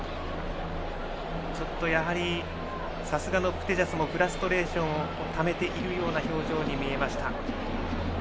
ちょっとやはりさすがのプテジャスもフラストレーションをためているような表情に見えました。